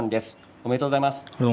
おめでとうございます。